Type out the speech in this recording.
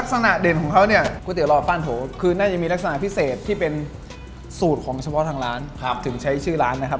ก๋วยเตี๋ยวหลอดป้านโถ้คือน่าจะมีลักษณะพิเศษที่เป็นสูตรของเฉพาะทางร้านจนถึงถึงใช้ชื่อร้านนะครับ